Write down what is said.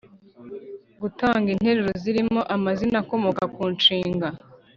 Gutanga interuro zirimo amazina akomoka ku nshinga